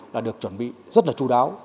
là được chuẩn bị rất là chú đáo